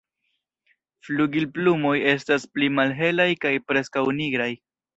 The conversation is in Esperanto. Flugilplumoj estas pli malhelaj kaj preskaŭ nigraj.